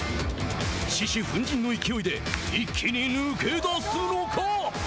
獅子奮迅の勢いで一気に抜け出すのか？